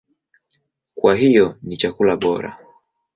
Kwa hiyo ni chakula bora.